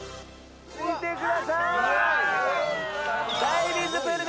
見てください！